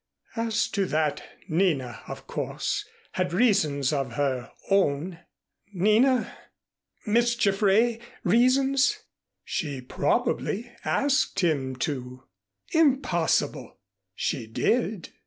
"As to that, Nina, of course, had reasons of her own." "Nina Miss Jaffray reasons?" "She probably asked him to " "Impossible!" "She did."